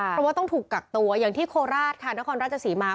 เพราะว่าต้องถูกกักตัวอย่างที่โคราชค่ะนครราชศรีมา